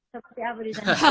seperti apa di sana